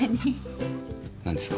何ですか？